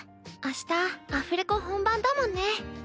明日アフレコ本番だもんね。